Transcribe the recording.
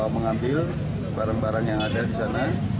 mengambil barang barang yang ada di sana